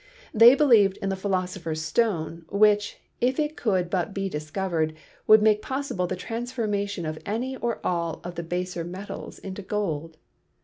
They believed in the Philosopher's Stone, which, if it could but be discovered, would make possible the transformation of any or all of the baser metals into gold.